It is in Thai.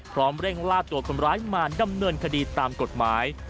เร่งล่าตัวคนร้ายมาดำเนินคดีตามกฎหมาย